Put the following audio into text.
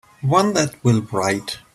One that will write.